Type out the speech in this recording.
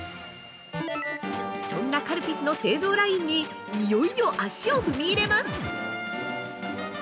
そんなカルピスの製造ラインに、いよいよ足を踏み入れます。